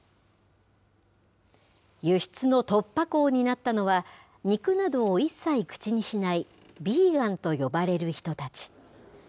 輸出の突破口になったのは、肉などを一切口にしないビーガンと呼ばれる人たち。